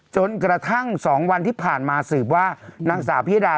จนกระทั่ง๒วันที่ผ่านมาสืบว่านางสาวพิยดา